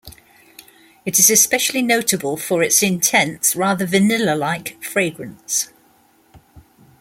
It is especially notable for its intense, rather vanilla-like fragrance.